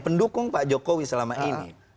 pendukung pak jokowi selama ini